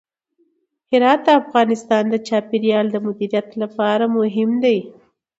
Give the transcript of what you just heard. هرات د افغانستان د چاپیریال د مدیریت لپاره مهم دی.